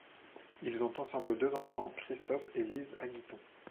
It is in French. Ils ont ensemble deux enfants, Christophe et Lise Aguiton.